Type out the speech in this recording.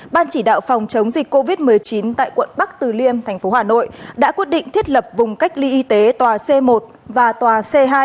ban chỉ đạo phòng chống dịch covid một mươi chín tại quận bắc từ liêm tp hcm đã quyết định thiết lập vùng cách ly y tế tòa c một và tòa c hai